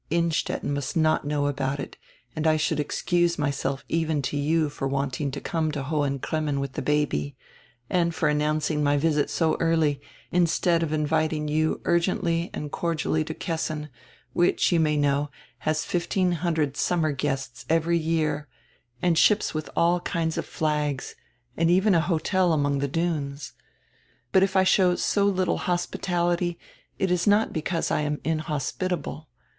Innstetten must not know about it and I should excuse myself even to you for wanting to come to Hohen Cremmen with the baby, and for announcing my visit so early, instead of inviting you urgently and cordially to Kessin, which, you may know, has fifteen hundred summer guests every year, and ships with all kinds of flags, and even a hotel among the dunes. But if I show so litde hospitality it is not because I am inhospitable.